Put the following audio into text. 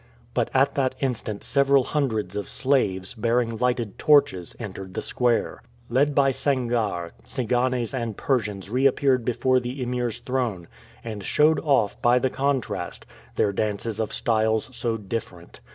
But at that instant several hundreds of slaves, bearing lighted torches, entered the square. Led by Sangarre, Tsiganes and Persians reappeared before the Emir's throne, and showed off, by the contrast, their dances of styles so different.